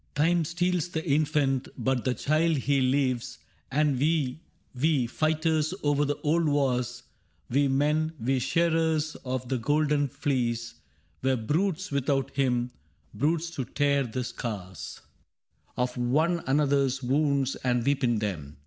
Time steals the infant, but the child he leaves ; And we, we fighters over of old wars — We men, we shearers of the Golden Fleece — Were brutes without him, — brutes to tear the scars Of one another's wounds and weep in them.